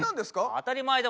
当たり前だ。